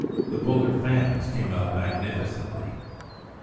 The polar fans came out magnificently."